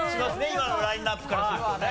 今のラインアップからするとね。